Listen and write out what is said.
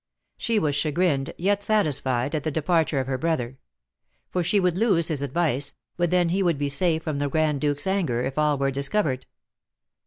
She was chagrined, yet satisfied, at the departure of her brother; for she would lose his advice, but then he would be safe from the Grand Duke's anger if all were discovered.